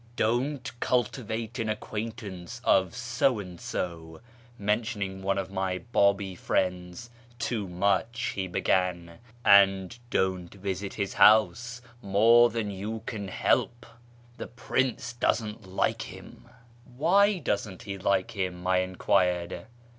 "Don't cultivate the acquaintance of so and so" (mention ing one of my Babi friends) " too much," he began, " and don't visit his house more than you can hel^D. The prince doesn't Uke him." KIRMAN society 461 " Why doesn't he like him ?" I enquired.